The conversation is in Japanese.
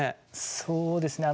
そうですね